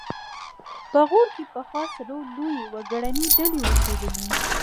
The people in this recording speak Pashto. په غور کې پخوا څلور لویې وګړنۍ ډلې اوسېدلې